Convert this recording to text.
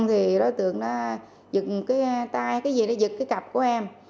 thì đối tượng nó giật cái tay cái gì nó giật cái cặp của em